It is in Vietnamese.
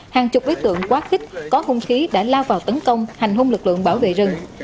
hàng chục đối tượng quá khích có hung khí đã lao vào tấn công hành hung lực lượng bảo vệ rừng